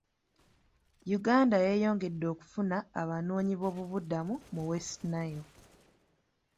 Uganda yeeyongedde okufuna abanoonyiboobubudamu mu West Nile.